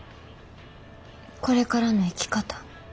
これからの生き方。